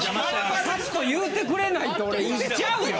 パッと言うてくれないと俺いっちゃうよ？